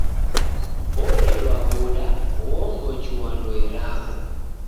Orelwa w'uda ghoombochua ndoe raw'o.